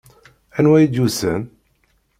Anwa i d-yusan?